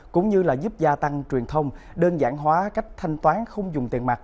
cũng như là giúp gia tăng truyền thông đơn giản hóa cách thanh toán không dùng tiền mặt